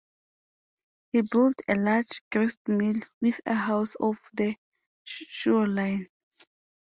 He built a large gristmill, with a house on the shoreline.